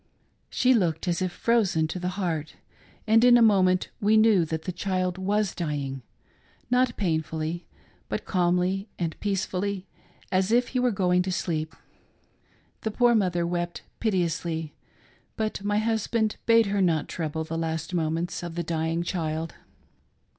She looked as if frozen to the heart ; and in a moment we knew that the child was dying,— not painfully, but calmly and peacefully, as if he were going to sleep. The poor mother wept piteously ; but my hus band bade her not trouble the last moments of the dying child.